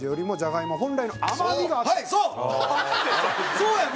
そうやんね？